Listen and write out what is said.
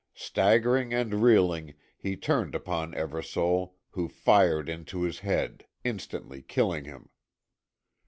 Staggering and reeling, he turned upon Eversole, who fired into his head, instantly killing him.